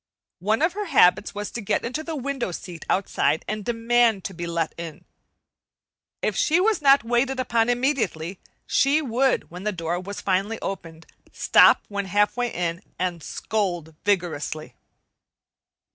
One of her habits was to get on the window seat outside and demand to be let in. If she was not waited upon immediately, she would, when the door was finally opened, stop when halfway in and scold vigorously.